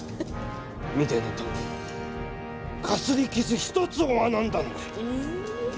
見てのとおりかすり傷一つ負わなんだので。